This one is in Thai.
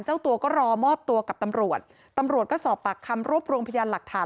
เจ้าตัวก็รอมอบตัวกับตำรวจตำรวจก็สอบปากคำรวบรวมพยานหลักฐาน